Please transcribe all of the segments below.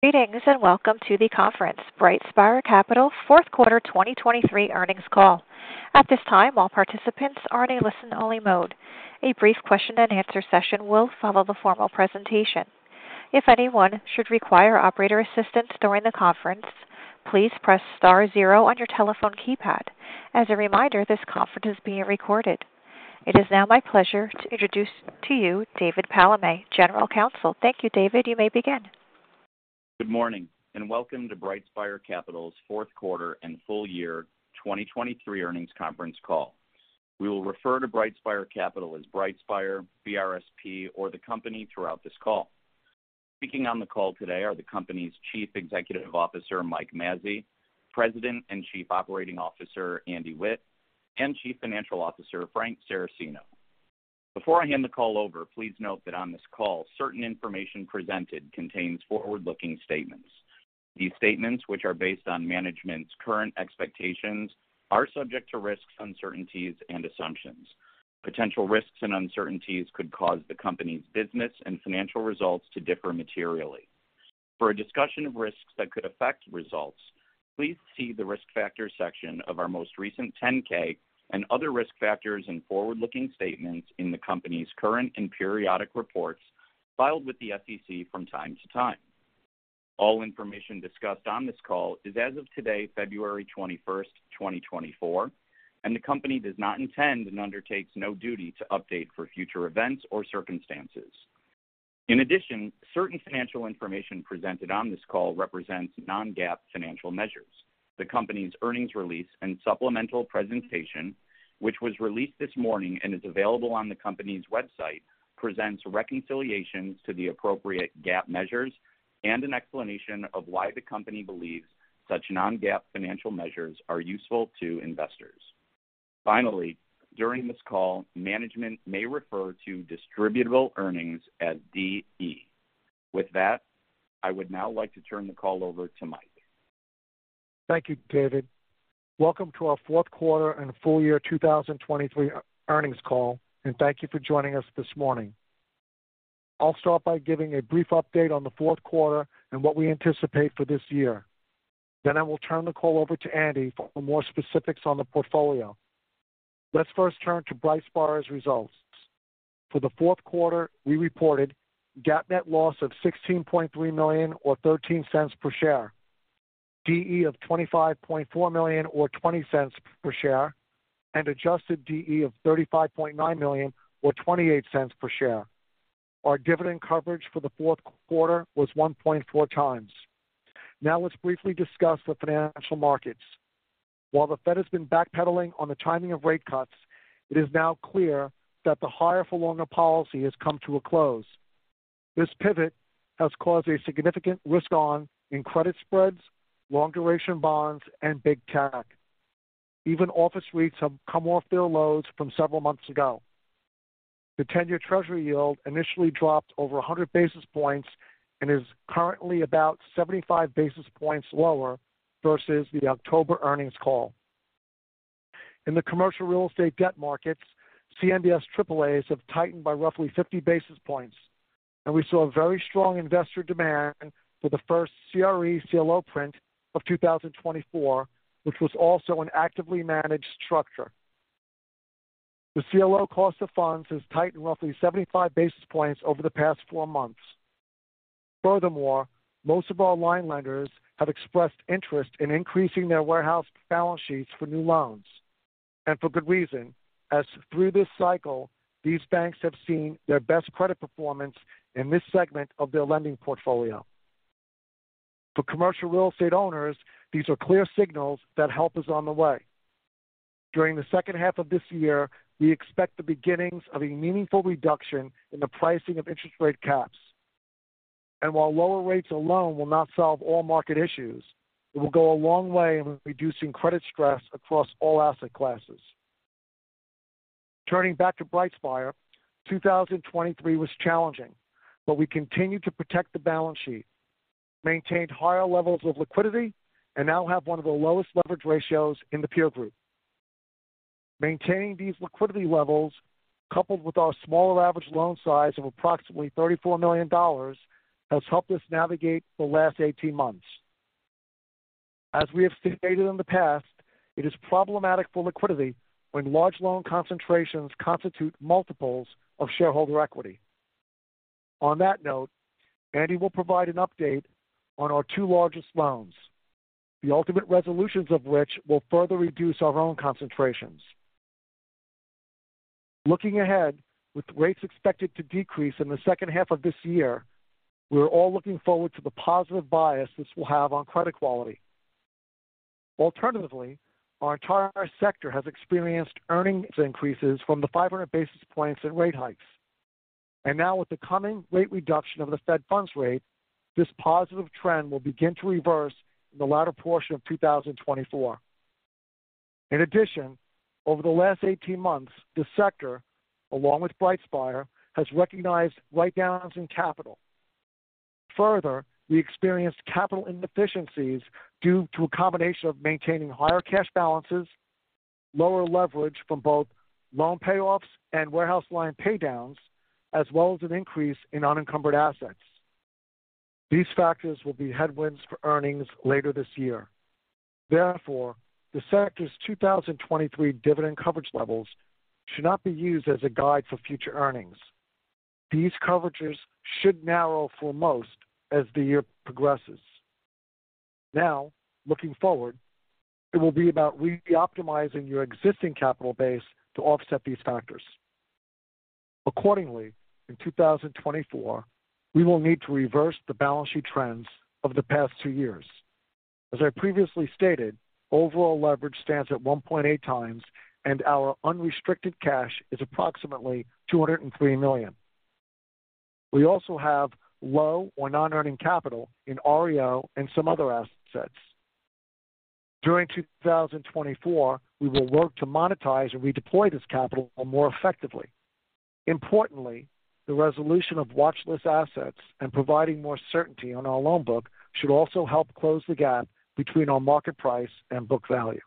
Greetings and welcome to the conference, BrightSpire Capital fourth quarter 2023 earnings call. At this time, all participants are in a listen-only mode. A brief question-and-answer session will follow the formal presentation. If anyone should require operator assistance during the conference, please press star zero on your telephone keypad. As a reminder, this conference is being recorded. It is now my pleasure to introduce to you David Palamé, General Counsel. Thank you, David. You may begin. Good morning and welcome to BrightSpire Capital's Fourth Quarter and Full Year 2023 Earnings Conference Call. We will refer to BrightSpire Capital as BrightSpire, BRSP, or the company throughout this call. Speaking on the call today are the company's Chief Executive Officer Mike Mazzei, President and Chief Operating Officer Andy Witt, and Chief Financial Officer Frank Saracino. Before I hand the call over, please note that on this call, certain information presented contains forward-looking statements. These statements, which are based on management's current expectations, are subject to risks, uncertainties, and assumptions. Potential risks and uncertainties could cause the company's business and financial results to differ materially. For a discussion of risks that could affect results, please see the risk factors section of our most recent 10-K and other risk factors and forward-looking statements in the company's current and periodic reports filed with the SEC from time to time. All information discussed on this call is as of today, February 21st, 2024, and the company does not intend and undertakes no duty to update for future events or circumstances. In addition, certain financial information presented on this call represents non-GAAP financial measures. The company's earnings release and supplemental presentation, which was released this morning and is available on the company's website, presents reconciliations to the appropriate GAAP measures and an explanation of why the company believes such non-GAAP financial measures are useful to investors. Finally, during this call, management may refer to Distributable Earnings as DE. With that, I would now like to turn the call over to Mike. Thank you, David. Welcome to our fourth quarter and full year 2023 earnings call, and thank you for joining us this morning. I'll start by giving a brief update on the fourth quarter and what we anticipate for this year. Then I will turn the call over to Andy for more specifics on the portfolio. Let's first turn to BrightSpire's results. For the fourth quarter, we reported GAAP net loss of $16.3 million or $0.13 per share, DE of $25.4 million or $0.20 per share, and adjusted DE of $35.9 million or $0.28 per share. Our dividend coverage for the fourth quarter was 1.4x. Now let's briefly discuss the financial markets. While the Fed has been backpedaling on the timing of rate cuts, it is now clear that the higher-for-longer policy has come to a close. This pivot has caused a significant risk-on in credit spreads, long-duration bonds, and Big Tech. Even office rates have come off their lows from several months ago. The 10-year Treasury yield initially dropped over 100 basis points and is currently about 75 basis points lower versus the October earnings call. In the commercial real estate debt markets, CMBS AAAs have tightened by roughly 50 basis points, and we saw very strong investor demand for the first CRE CLO print of 2024, which was also an actively managed structure. The CLO cost of funds has tightened roughly 75 basis points over the past four months. Furthermore, most of our line lenders have expressed interest in increasing their warehouse balance sheets for new loans, and for good reason, as through this cycle, these banks have seen their best credit performance in this segment of their lending portfolio. For commercial real estate owners, these are clear signals that help is on the way. During the second half of this year, we expect the beginnings of a meaningful reduction in the pricing of interest rate caps. While lower rates alone will not solve all market issues, it will go a long way in reducing credit stress across all asset classes. Turning back to BrightSpire, 2023 was challenging, but we continued to protect the balance sheet, maintained higher levels of liquidity, and now have one of the lowest leverage ratios in the peer group. Maintaining these liquidity levels, coupled with our smaller average loan size of approximately $34 million, has helped us navigate the last 18 months. As we have stated in the past, it is problematic for liquidity when large loan concentrations constitute multiples of shareholder equity. On that note, Andy will provide an update on our two largest loans, the ultimate resolutions of which will further reduce our own concentrations. Looking ahead, with rates expected to decrease in the second half of this year, we are all looking forward to the positive bias this will have on credit quality. Alternatively, our entire sector has experienced earnings increases from the 500 basis points and rate hikes. And now, with the coming rate reduction of the Fed Funds Rate, this positive trend will begin to reverse in the latter portion of 2024. In addition, over the last 18 months, the sector, along with BrightSpire, has recognized write-downs in capital. Further, we experienced capital inefficiencies due to a combination of maintaining higher cash balances, lower leverage from both loan payoffs and warehouse line paydowns, as well as an increase in unencumbered assets. These factors will be headwinds for earnings later this year. Therefore, the sector's 2023 dividend coverage levels should not be used as a guide for future earnings. These coverages should narrow for most as the year progresses. Now, looking forward, it will be about re-optimizing your existing capital base to offset these factors. Accordingly, in 2024, we will need to reverse the balance sheet trends of the past two years. As I previously stated, overall leverage stands at 1.8x, and our unrestricted cash is approximately $203 million. We also have low or non-earning capital in REO and some other assets. During 2024, we will work to monetize and redeploy this capital more effectively. Importantly, the resolution of watchlist assets and providing more certainty on our loan book should also help close the gap between our market price and book value.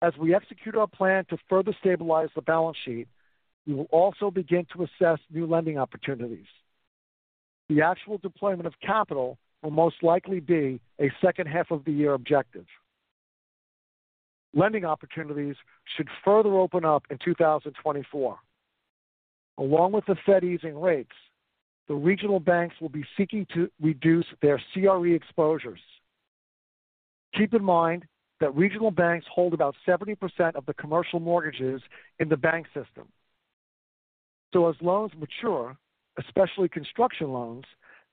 As we execute our plan to further stabilize the balance sheet, we will also begin to assess new lending opportunities. The actual deployment of capital will most likely be a second half of the year objective. Lending opportunities should further open up in 2024. Along with the Fed easing rates, the regional banks will be seeking to reduce their CRE exposures. Keep in mind that regional banks hold about 70% of the commercial mortgages in the bank system. So, as loans mature, especially construction loans,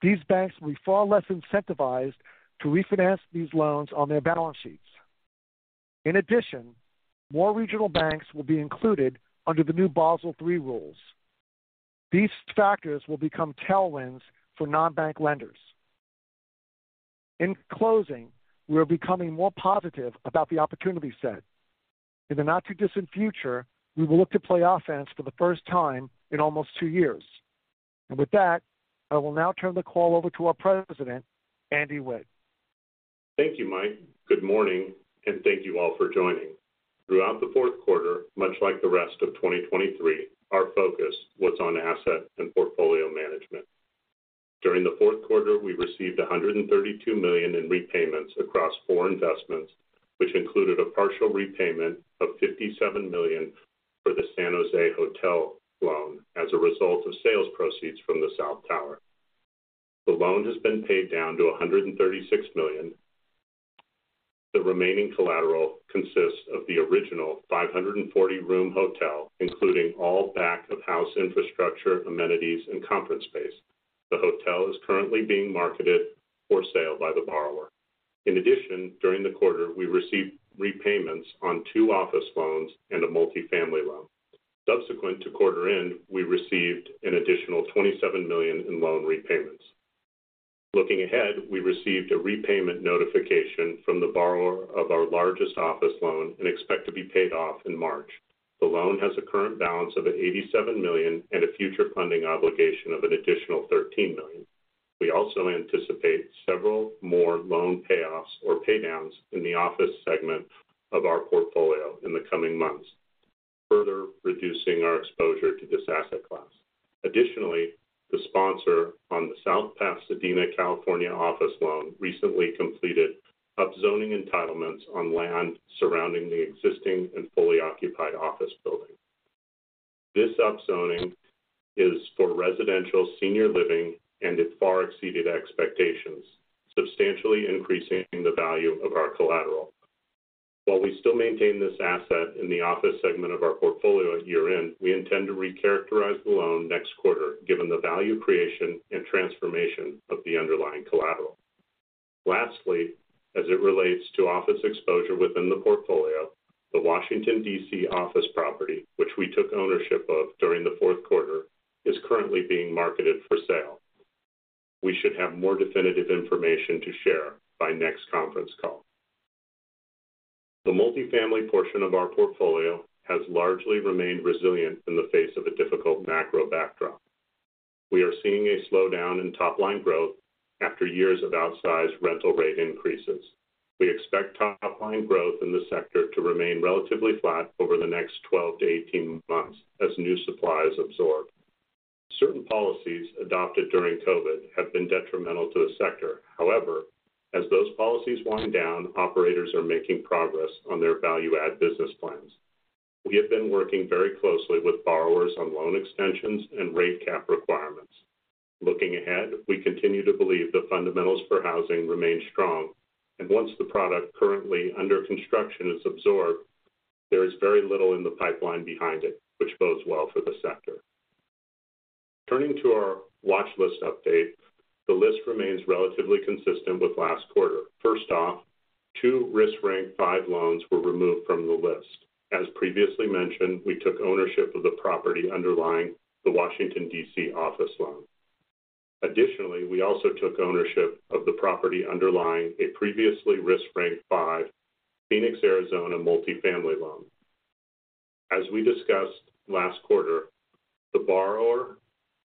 these banks will be far less incentivized to refinance these loans on their balance sheets. In addition, more regional banks will be included under the new Basel III rules. These factors will become tailwinds for non-bank lenders. In closing, we are becoming more positive about the opportunity set. In the not-too-distant future, we will look to play offense for the first time in almost two years. With that, I will now turn the call over to our President, Andy Witt. Thank you, Mike. Good morning, and thank you all for joining. Throughout the fourth quarter, much like the rest of 2023, our focus was on asset and portfolio management. During the fourth quarter, we received $132 million in repayments across four investments, which included a partial repayment of $57 million for the San Jose hotel loan as a result of sales proceeds from the South Tower. The loan has been paid down to $136 million. The remaining collateral consists of the original 540-room hotel, including all back-of-house infrastructure, amenities, and conference space. The hotel is currently being marketed for sale by the borrower. In addition, during the quarter, we received repayments on two office loans and a multifamily loan. Subsequent to quarter-end, we received an additional $27 million in loan repayments. Looking ahead, we received a repayment notification from the borrower of our largest office loan and expect to be paid off in March. The loan has a current balance of $87 million and a future funding obligation of an additional $13 million. We also anticipate several more loan payoffs or paydowns in the office segment of our portfolio in the coming months, further reducing our exposure to this asset class. Additionally, the sponsor on the South Pasadena, California, office loan recently completed upzoning entitlements on land surrounding the existing and fully occupied office building. This upzoning is for residential senior living, and it far exceeded expectations, substantially increasing the value of our collateral. While we still maintain this asset in the office segment of our portfolio at year-end, we intend to recharacterize the loan next quarter given the value creation and transformation of the underlying collateral. Lastly, as it relates to office exposure within the portfolio, the Washington, D.C. office property, which we took ownership of during the fourth quarter, is currently being marketed for sale. We should have more definitive information to share by next conference call. The multifamily portion of our portfolio has largely remained resilient in the face of a difficult macro backdrop. We are seeing a slowdown in top-line growth after years of outsized rental rate increases. We expect top-line growth in the sector to remain relatively flat over the next 12-18 months as new supplies absorb. Certain policies adopted during COVID have been detrimental to the sector. However, as those policies wind down, operators are making progress on their value-add business plans. We have been working very closely with borrowers on loan extensions and rate cap requirements. Looking ahead, we continue to believe the fundamentals for housing remain strong, and once the product currently under construction is absorbed, there is very little in the pipeline behind it, which bodes well for the sector. Turning to our watchlist update, the list remains relatively consistent with last quarter. First off, two risk-ranked 5 loans were removed from the list. As previously mentioned, we took ownership of the property underlying the Washington, D.C. office loan. Additionally, we also took ownership of the property underlying a previously risk-ranked 5 Phoenix, Arizona, multifamily loan. As we discussed last quarter, the borrower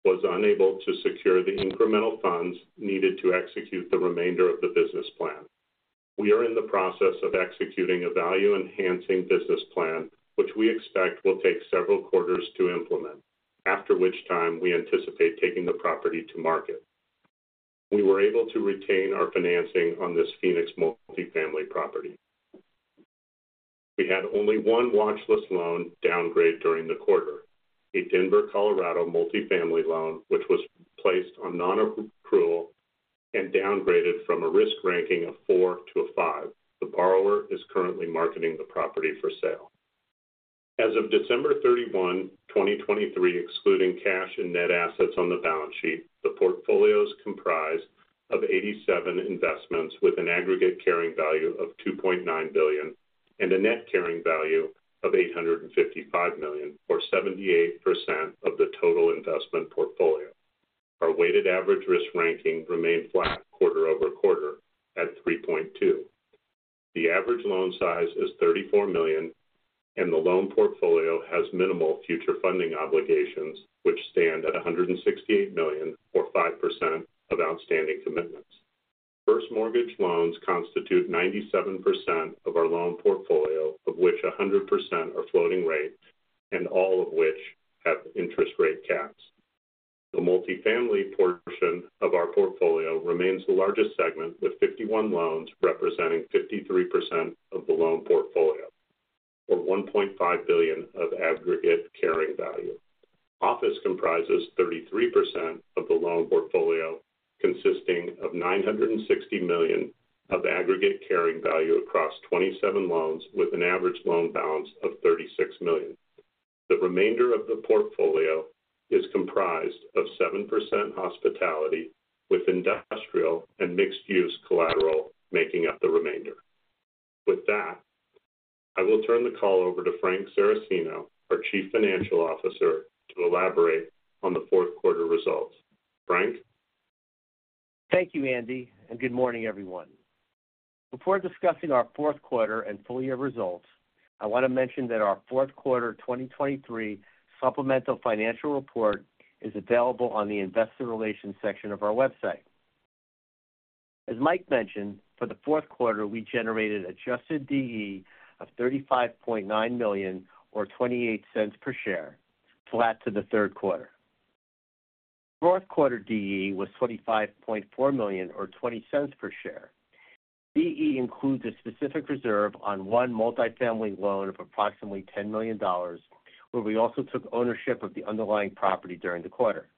was unable to secure the incremental funds needed to execute the remainder of the business plan. We are in the process of executing a value-enhancing business plan, which we expect will take several quarters to implement, after which time we anticipate taking the property to market. We were able to retain our financing on this Phoenix multifamily property. We had only one watchlist loan downgrade during the quarter, a Denver, Colorado multifamily loan, which was placed on non-accrual and downgraded from a risk ranking of four to a five. The borrower is currently marketing the property for sale. As of December 31, 2023, excluding cash and net assets on the balance sheet, the portfolio is comprised of 87 investments with an aggregate carrying value of $2.9 billion and a net carrying value of $855 million, or 78% of the total investment portfolio. Our weighted average risk ranking remained flat quarter-over-quarter at 3.2. The average loan size is $34 million, and the loan portfolio has minimal future funding obligations, which stand at $168 million, or 5% of outstanding commitments. First mortgage loans constitute 97% of our loan portfolio, of which 100% are floating rate and all of which have interest rate caps. The multifamily portion of our portfolio remains the largest segment, with 51 loans representing 53% of the loan portfolio, or $1.5 billion of aggregate carrying value. Office comprises 33% of the loan portfolio, consisting of $960 million of aggregate carrying value across 27 loans, with an average loan balance of $36 million. The remainder of the portfolio is comprised of 7% hospitality, with industrial and mixed-use collateral making up the remainder. With that, I will turn the call over to Frank Saracino, our Chief Financial Officer, to elaborate on the fourth quarter results. Frank? Thank you, Andy, and good morning, everyone. Before discussing our fourth quarter and full-year results, I want to mention that our fourth quarter 2023 supplemental financial report is available on the investor relations section of our website. As Mike mentioned, for the fourth quarter, we generated adjusted DE of $35.9 million, or $0.28 per share, flat to the third quarter. Fourth quarter DE was $25.4 million, or $0.20 per share. DE includes a specific reserve on one multifamily loan of approximately $10 million, where we also took ownership of the underlying property during the quarter.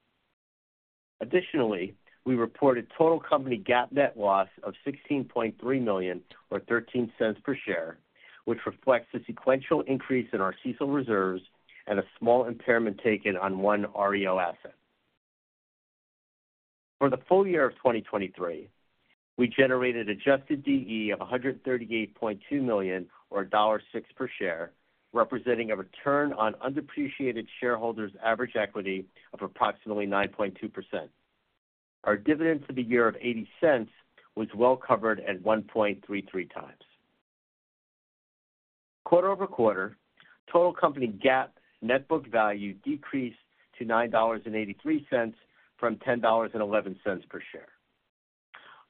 Additionally, we reported total company GAAP net loss of $16.3 million, or $0.13 per share, which reflects a sequential increase in our CECL reserves and a small impairment taken on one REO asset. For the full year of 2023, we generated adjusted DE of $138.2 million, or $1.06 per share, representing a return on undepreciated shareholders' average equity of approximately 9.2%. Our dividend for the year of $0.80 was well covered at 1.33x. Quarter-over-quarter, total company GAAP net book value decreased to $9.83 from $10.11 per share.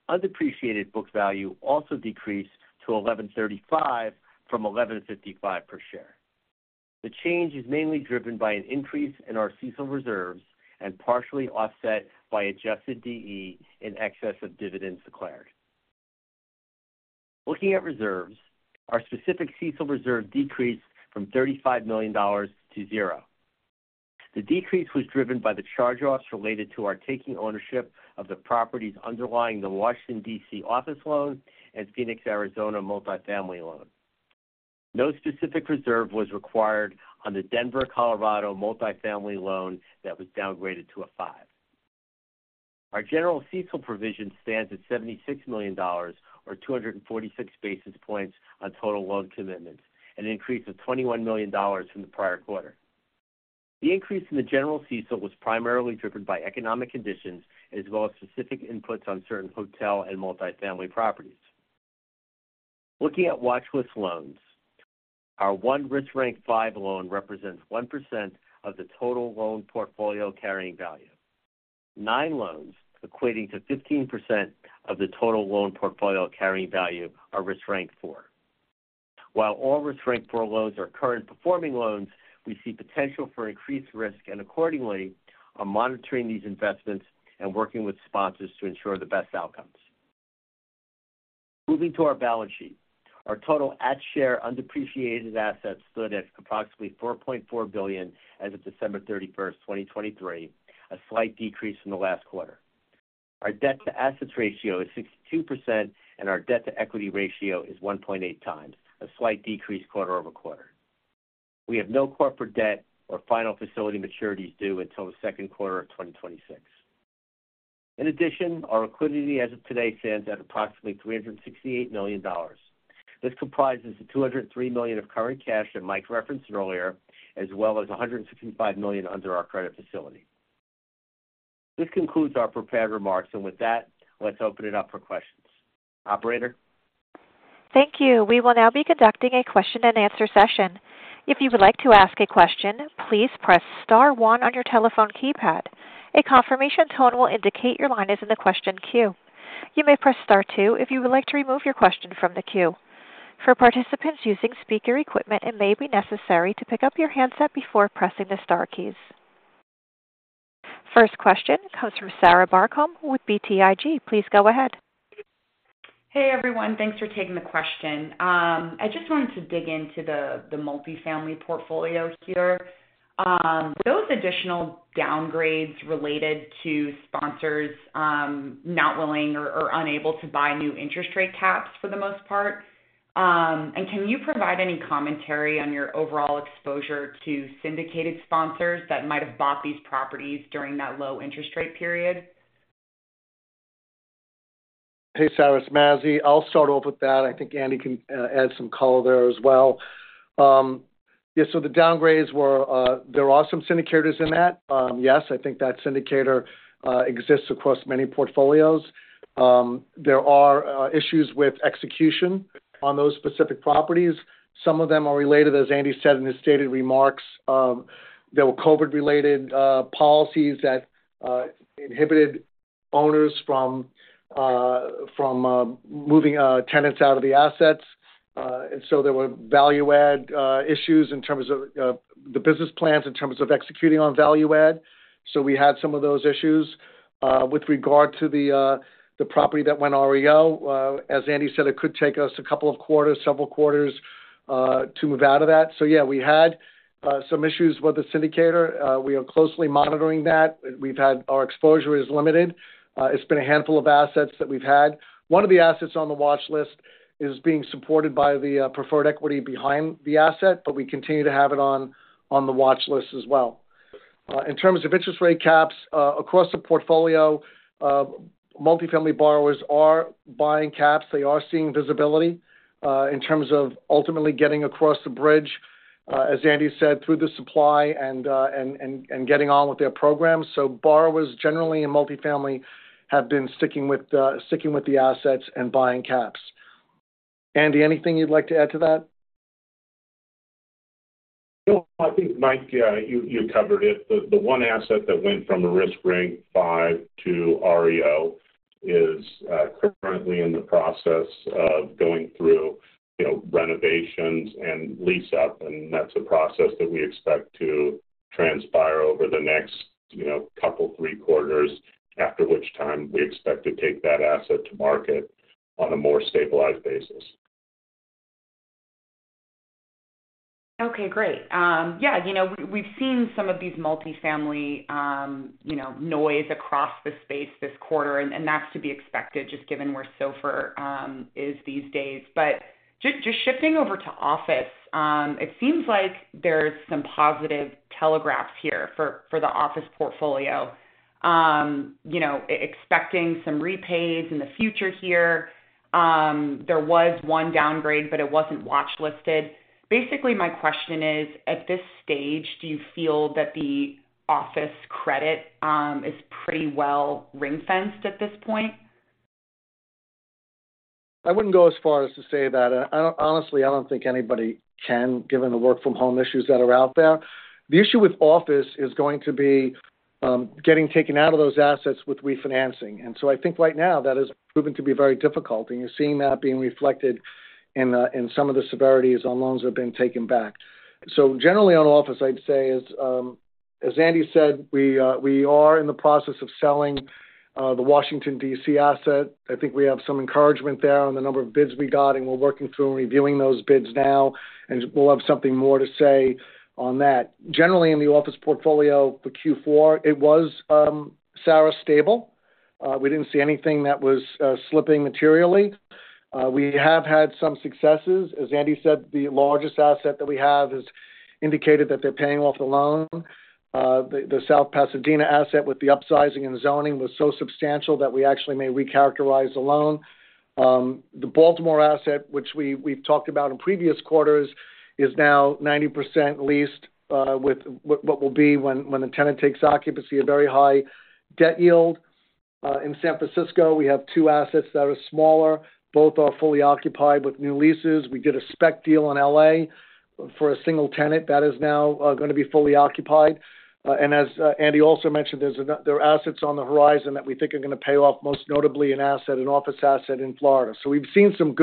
Undepreciated book value also decreased to $11.35 from $11.55 per share. The change is mainly driven by an increase in our CECL reserves and partially offset by adjusted DE in excess of dividends declared. Looking at reserves, our specific CECL reserve decreased from $35 million to zero. The decrease was driven by the charge-offs related to our taking ownership of the properties underlying the Washington, D.C. office loan and Phoenix, Arizona multifamily loan. No specific reserve was required on the Denver, Colorado multifamily loan that was downgraded to a 5. Our general CECL provision stands at $76 million, or 246 basis points on total loan commitments, an increase of $21 million from the prior quarter. The increase in the general CECL was primarily driven by economic conditions as well as specific inputs on certain hotel and multifamily properties. Looking at watchlist loans, our one risk-ranked 5 loan represents 1% of the total loan portfolio carrying value. Nine loans equating to 15% of the total loan portfolio carrying value are risk-ranked 4. While all risk-ranked 4 loans are current performing loans, we see potential for increased risk and, accordingly, are monitoring these investments and working with sponsors to ensure the best outcomes. Moving to our balance sheet, our total at-share undepreciated assets stood at approximately $4.4 billion as of December 31, 2023, a slight decrease from the last quarter. Our debt-to-assets ratio is 62%, and our debt-to-equity ratio is 1.8x, a slight decrease quarter-over-quarter. We have no corporate debt or final facility maturities due until the second quarter of 2026. In addition, our liquidity as of today stands at approximately $368 million. This comprises the $203 million of current cash that Mike referenced earlier, as well as $165 million under our credit facility. This concludes our prepared remarks, and with that, let's open it up for questions. Operator? Thank you. We will now be conducting a question-and-answer session. If you would like to ask a question, please press star one on your telephone keypad. A confirmation tone will indicate your line is in the question queue. You may press star two if you would like to remove your question from the queue. For participants using speaker equipment, it may be necessary to pick up your handset before pressing the star keys. First question comes from Sarah Barcomb with BTIG. Please go ahead. Hey, everyone. Thanks for taking the question. I just wanted to dig into the multifamily portfolio here. Those additional downgrades related to sponsors not willing or unable to buy new interest rate caps for the most part, and can you provide any commentary on your overall exposure to syndicated sponsors that might have bought these properties during that low interest rate period? Hey, Sarah. Mike Mazzei. I'll start off with that. I think Andy can add some color there as well. Yeah, so the downgrades were. There are some syndicators in that. Yes, I think that syndicator exists across many portfolios. There are issues with execution on those specific properties. Some of them are related, as Andy said in his stated remarks. There were COVID-related policies that inhibited owners from moving tenants out of the assets. And so there were value-add issues in terms of the business plans, in terms of executing on value-add. So we had some of those issues. With regard to the property that went REO, as Andy said, it could take us a couple of quarters, several quarters, to move out of that. So yeah, we had some issues with the syndicator. We are closely monitoring that. Our exposure is limited. It's been a handful of assets that we've had. One of the assets on the watchlist is being supported by the preferred equity behind the asset, but we continue to have it on the watchlist as well. In terms of interest rate caps across the portfolio, multifamily borrowers are buying caps. They are seeing visibility in terms of ultimately getting across the bridge, as Andy said, through the supply and getting on with their programs. So borrowers generally in multifamily have been sticking with the assets and buying caps. Andy, anything you'd like to add to that? I think, Mike, you covered it. The one asset that went from a risk-ranked 5 to REO is currently in the process of going through renovations and lease-up, and that's a process that we expect to transpire over the next couple, three quarters, after which time we expect to take that asset to market on a more stabilized basis. Okay, great. Yeah, we've seen some of these multifamily noise across the space this quarter, and that's to be expected just given where SOFR is these days. But just shifting over to office, it seems like there's some positive telegraphs here for the office portfolio, expecting some repays in the future here. There was one downgrade, but it wasn't watchlisted. Basically, my question is, at this stage, do you feel that the office credit is pretty well ring-fenced at this point? I wouldn't go as far as to say that. Honestly, I don't think anybody can, given the work-from-home issues that are out there. The issue with office is going to be getting taken out of those assets with refinancing. And so I think right now that has proven to be very difficult, and you're seeing that being reflected in some of the severities on loans that have been taken back. So generally, on office, I'd say, as Andy said, we are in the process of selling the Washington, D.C. asset. I think we have some encouragement there on the number of bids we got, and we're working through and reviewing those bids now, and we'll have something more to say on that. Generally, in the office portfolio for Q4, it was, Sarah, stable. We didn't see anything that was slipping materially. We have had some successes. As Andy said, the largest asset that we have has indicated that they're paying off the loan. The South Pasadena asset, with the upsizing and zoning, was so substantial that we actually may recharacterize the loan. The Baltimore asset, which we've talked about in previous quarters, is now 90% leased with what will be, when the tenant takes occupancy, a very high debt yield. In San Francisco, we have two assets that are smaller. Both are fully occupied with new leases. We did a spec deal on LA for a single tenant. That is now going to be fully occupied. And as Andy also mentioned, there are assets on the horizon that we think are going to pay off, most notably an office asset in Florida. So we've seen some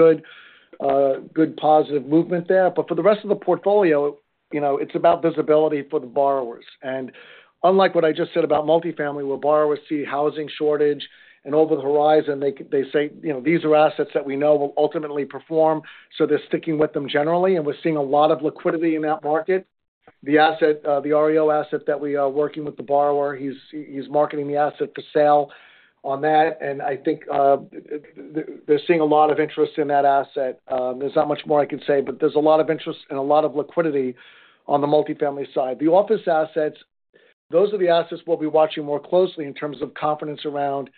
good positive movement there. But for the rest of the portfolio, it's about visibility for the borrowers. Unlike what I just said about multifamily, where borrowers see housing shortage and over the horizon, they say, "These are assets that we know will ultimately perform," so they're sticking with them generally, and we're seeing a lot of liquidity in that market. The REO asset that we are working with the borrower, he's marketing the asset for sale on that, and I think they're seeing a lot of interest in that asset. There's not much more I can say, but there's a lot of interest and a lot of liquidity on the multifamily side. The office assets, those are the assets we'll be watching more closely in terms of confidence around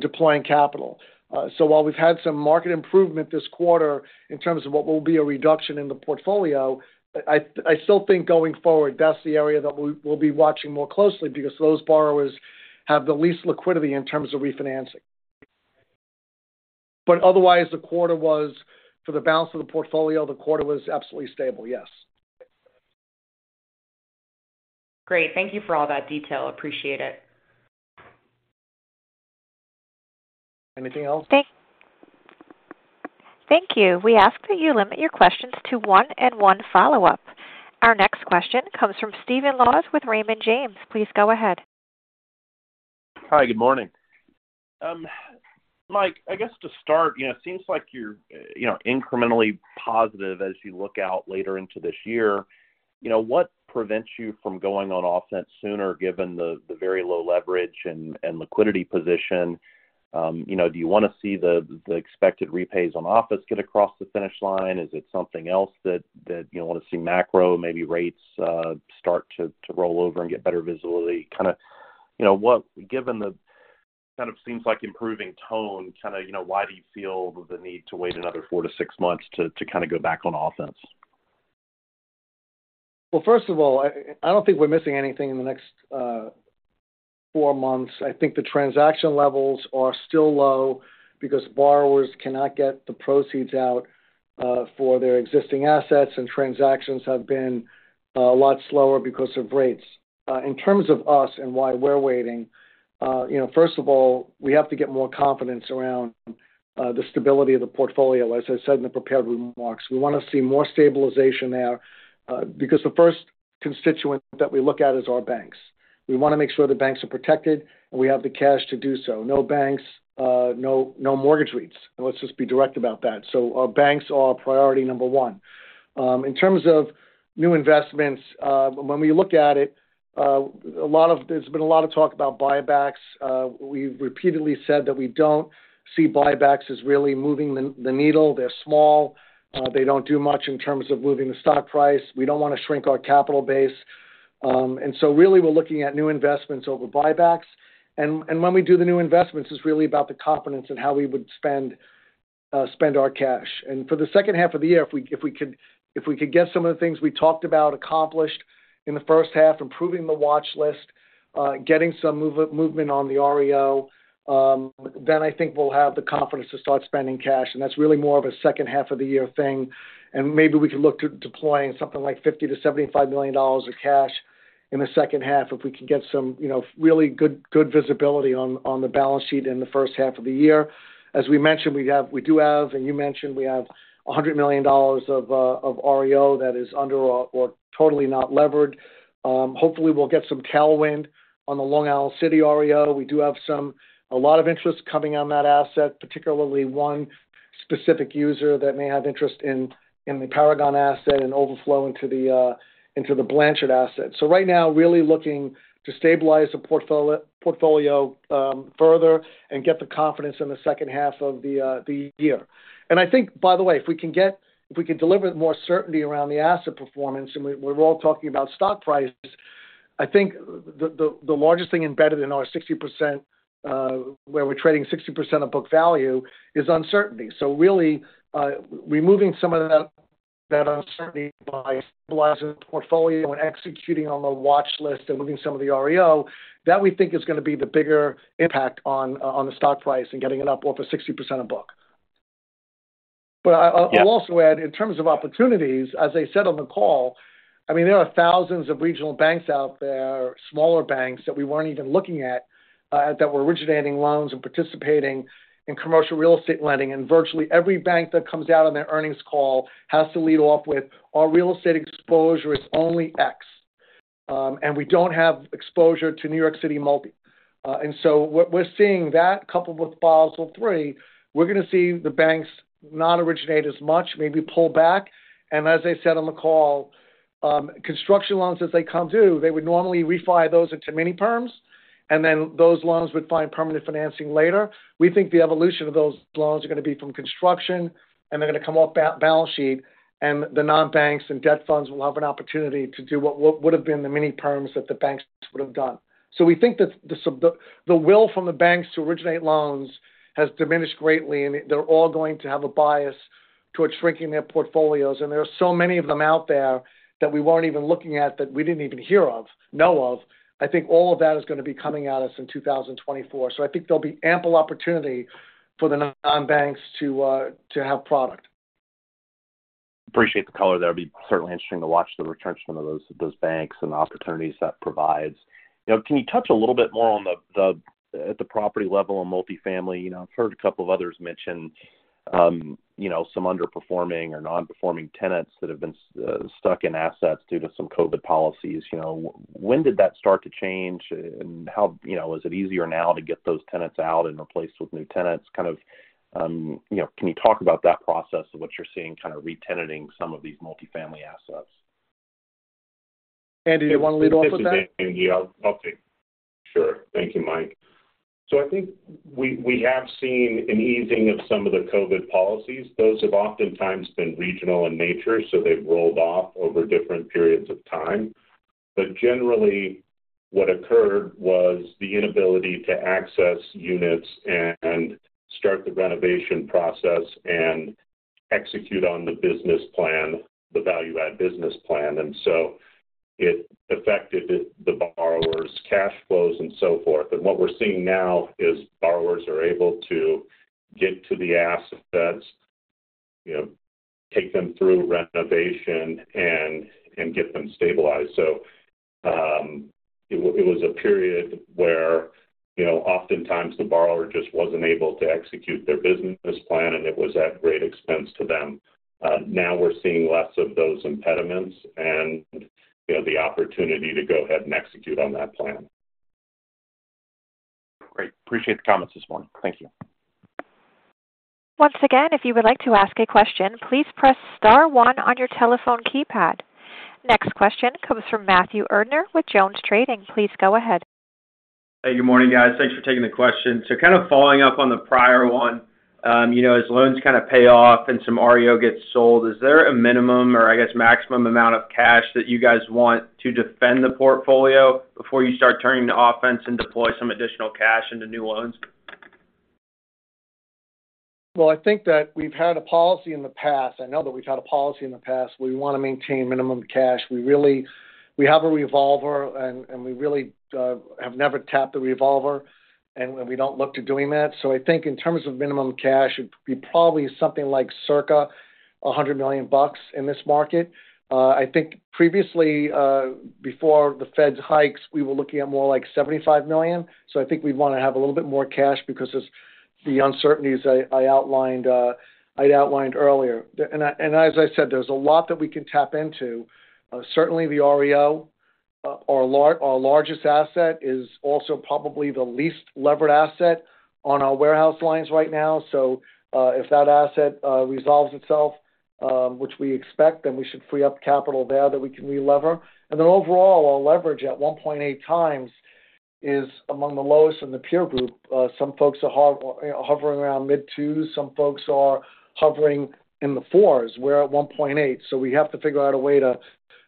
deploying capital. While we've had some market improvement this quarter in terms of what will be a reduction in the portfolio, I still think going forward, that's the area that we'll be watching more closely because those borrowers have the least liquidity in terms of refinancing. But otherwise, the quarter was, for the balance of the portfolio, the quarter was absolutely stable, yes. Great. Thank you for all that detail. Appreciate it. Anything else? Thank you. We ask that you limit your questions to one and one follow-up. Our next question comes from Stephen Laws with Raymond James. Please go ahead. Hi, good morning. Mike, I guess to start, it seems like you're incrementally positive as you look out later into this year. What prevents you from going on offense sooner, given the very low leverage and liquidity position? Do you want to see the expected repays on office get across the finish line? Is it something else that you want to see, macro, maybe rates start to roll over and get better visibility? Kind of what, given the kind of seems like improving tone, kind of why do you feel the need to wait another 4-6 months to kind of go back on offense? Well, first of all, I don't think we're missing anything in the next four months. I think the transaction levels are still low because borrowers cannot get the proceeds out for their existing assets, and transactions have been a lot slower because of rates. In terms of us and why we're waiting, first of all, we have to get more confidence around the stability of the portfolio, as I said in the prepared remarks. We want to see more stabilization there because the first constituent that we look at is our banks. We want to make sure the banks are protected, and we have the cash to do so. No banks, no mortgage REITs. Let's just be direct about that. So our banks are our priority number one. In terms of new investments, when we look at it, there's been a lot of talk about buybacks. We've repeatedly said that we don't see buybacks as really moving the needle. They're small. They don't do much in terms of moving the stock price. We don't want to shrink our capital base. And so really, we're looking at new investments over buybacks. And when we do the new investments, it's really about the confidence in how we would spend our cash. And for the second half of the year, if we could get some of the things we talked about accomplished in the first half, improving the Watchlist, getting some movement on the REO, then I think we'll have the confidence to start spending cash. And that's really more of a second half of the year thing. Maybe we could look to deploying something like $50 million-$75 million of cash in the second half if we can get some really good visibility on the balance sheet in the first half of the year. As we mentioned, we do have, and you mentioned, we have $100 million of REO that is under or totally not levered. Hopefully, we'll get some tailwind on the Long Island City REO. We do have a lot of interest coming on that asset, particularly one specific user that may have interest in the Paragon asset and overflow into the Blanchard asset. Right now, really looking to stabilize the portfolio further and get the confidence in the second half of the year. I think, by the way, if we can deliver more certainty around the asset performance, and we're all talking about stock price, I think the largest thing embedded in our 60%, where we're trading 60% of book value, is uncertainty. So really, removing some of that uncertainty by stabilizing the portfolio and executing on the watchlist and moving some of the REO, that we think is going to be the bigger impact on the stock price and getting it up off of 60% of book. But I'll also add, in terms of opportunities, as I said on the call, I mean, there are thousands of regional banks out there, smaller banks that we weren't even looking at, that were originating loans and participating in commercial real estate lending. Virtually every bank that comes out on their earnings call has to lead off with, "Our real estate exposure is only X, and we don't have exposure to New York City Multi." So we're seeing that coupled with Basel III, we're going to see the banks not originate as much, maybe pull back. As I said on the call, construction loans, as they come due, they would normally refi those into mini-perms, and then those loans would find permanent financing later. We think the evolution of those loans are going to be from construction, and they're going to come off balance sheet, and the non-banks and debt funds will have an opportunity to do what would have been the mini-perms that the banks would have done. So we think that the will from the banks to originate loans has diminished greatly, and they're all going to have a bias towards shrinking their portfolios. And there are so many of them out there that we weren't even looking at that we didn't even know of. I think all of that is going to be coming at us in 2024. So I think there'll be ample opportunity for the non-banks to have product. Appreciate the color. That would be certainly interesting to watch the returns from those banks and the opportunities that provides. Can you touch a little bit more on the property level and multifamily? I've heard a couple of others mention some underperforming or non-performing tenants that have been stuck in assets due to some COVID policies. When did that start to change, and is it easier now to get those tenants out and replaced with new tenants? Kind of can you talk about that process of what you're seeing, kind of re-tenanting some of these multifamily assets? Andy, do you want to lead off with that? Okay. Sure. Thank you, Mike. So I think we have seen an easing of some of the COVID policies. Those have oftentimes been regional in nature, so they've rolled off over different periods of time. But generally, what occurred was the inability to access units and start the renovation process and execute on the value-add business plan. And so it affected the borrowers' cash flows and so forth. And what we're seeing now is borrowers are able to get to the assets, take them through renovation, and get them stabilized. So it was a period where oftentimes the borrower just wasn't able to execute their business plan, and it was at great expense to them. Now we're seeing less of those impediments and the opportunity to go ahead and execute on that plan. Great. Appreciate the comments this morning. Thank you. Once again, if you would like to ask a question, please press star one on your telephone keypad. Next question comes from Matthew Erdner with JonesTrading. Please go ahead. Hey, good morning, guys. Thanks for taking the question. So kind of following up on the prior one, as loans kind of pay off and some REO gets sold, is there a minimum or, I guess, maximum amount of cash that you guys want to defend the portfolio before you start turning to offense and deploy some additional cash into new loans? Well, I think that we've had a policy in the past. I know that we've had a policy in the past. We want to maintain minimum cash. We have a revolver, and we really have never tapped the revolver, and we don't look to doing that. So I think in terms of minimum cash, it'd be probably something like circa $100 million in this market. I think previously, before the Fed's hikes, we were looking at more like $75 million. So I think we'd want to have a little bit more cash because of the uncertainties I'd outlined earlier. And as I said, there's a lot that we can tap into. Certainly, the REO, our largest asset, is also probably the least levered asset on our warehouse lines right now. So if that asset resolves itself, which we expect, then we should free up capital there that we can relever. And then overall, our leverage at 1.8x is among the lowest in the peer group. Some folks are hovering around mid-2s. Some folks are hovering in the 4s. We're at 1.8. So we have to figure out a way to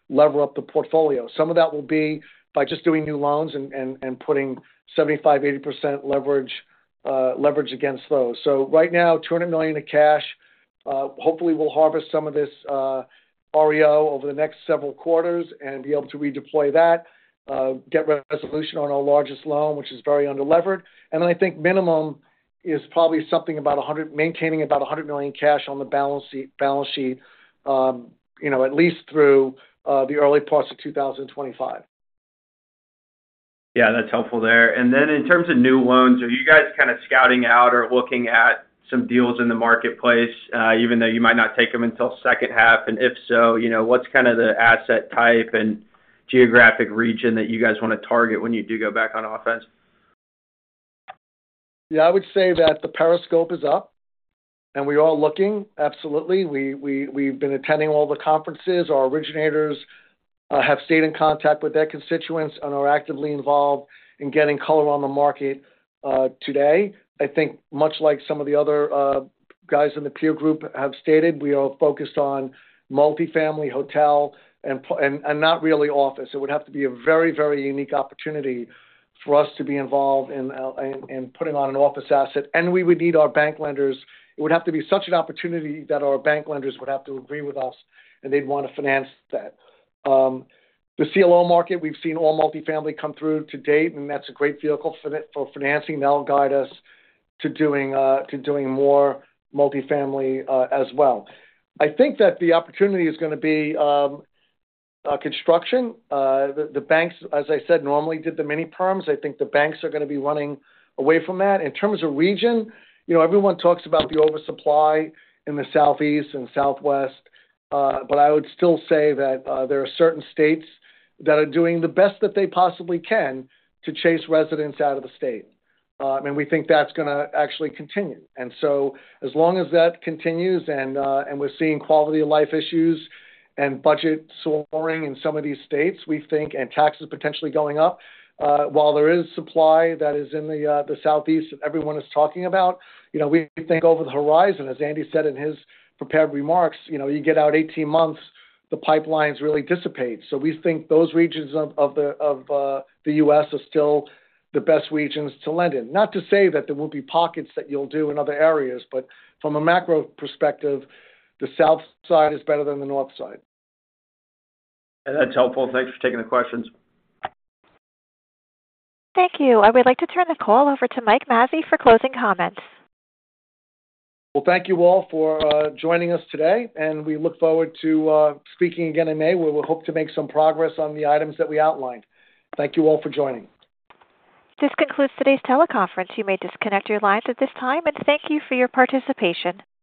lever up the portfolio. Some of that will be by just doing new loans and putting 75%-80% leverage against those. So right now, $200 million of cash. Hopefully, we'll harvest some of this REO over the next several quarters and be able to redeploy that, get resolution on our largest loan, which is very underlevered. And then I think minimum is probably maintaining about $100 million cash on the balance sheet, at least through the early parts of 2025. Yeah, that's helpful there. Then in terms of new loans, are you guys kind of scouting out or looking at some deals in the marketplace, even though you might not take them until second half? If so, what's kind of the asset type and geographic region that you guys want to target when you do go back on offense? Yeah, I would say that the periscope is up, and we are looking. Absolutely. We've been attending all the conferences. Our originators have stayed in contact with their constituents and are actively involved in getting color on the market today. I think, much like some of the other guys in the peer group have stated, we are focused on multifamily, hotel, and not really office. It would have to be a very, very unique opportunity for us to be involved in putting on an office asset. And we would need our bank lenders. It would have to be such an opportunity that our bank lenders would have to agree with us, and they'd want to finance that. The CLO market, we've seen all multifamily come through to date, and that's a great vehicle for financing. They'll guide us to doing more multifamily as well. I think that the opportunity is going to be construction. The banks, as I said, normally did the mini-perms. I think the banks are going to be running away from that. In terms of region, everyone talks about the oversupply in the Southeast and Southwest, but I would still say that there are certain states that are doing the best that they possibly can to chase residents out of the state. And we think that's going to actually continue. And so as long as that continues and we're seeing quality of life issues and budgets soaring in some of these states, we think, and taxes potentially going up, while there is supply that is in the Southeast that everyone is talking about, we think over the horizon, as Andy said in his prepared remarks, you get out 18 months, the pipelines really dissipate. We think those regions of the U.S. are still the best regions to lend in. Not to say that there won't be pockets that you'll do in other areas, but from a macro perspective, the South side is better than the North side. That's helpful. Thanks for taking the questions. Thank you. I would like to turn the call over to Mike Mazzei for closing comments. Well, thank you all for joining us today. We look forward to speaking again in May, where we hope to make some progress on the items that we outlined. Thank you all for joining. This concludes today's teleconference. You may disconnect your lines at this time. Thank you for your participation.